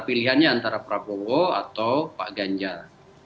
pilihannya antara prabowo atau pak ganjar